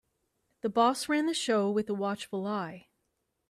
The boss ran the show with a watchful eye.